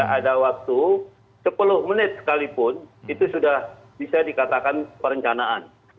ada waktu sepuluh menit sekalipun itu sudah bisa dikatakan perencanaan